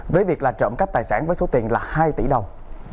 với việc là trộm cắp tài sản với số tiền là hai tỷ đồng